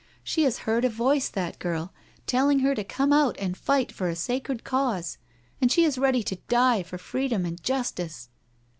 She has heard a voice, that girl, telling her to come out and fight for a sacred cause, and she is ready to die for freedom and justice."